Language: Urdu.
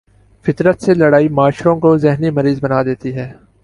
فطرت سے لڑائی معاشروں کو ذہنی مریض بنا دیتی ہے۔